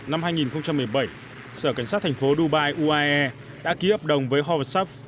năm hai nghìn một mươi bảy sở cảnh sát thành phố dubai uae đã ký ấp đồng với horsesurf